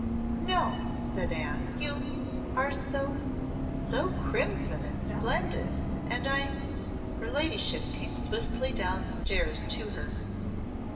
"No," said Anne; "you are so so crimson and splendid and I " Her ladyship came swiftly down the stairs to her.